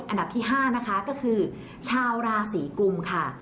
อันดับที่๕นะคะก็คือชาวราศีกุมค่ะ